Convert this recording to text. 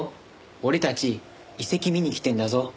俺たち遺跡見に来てるんだぞ。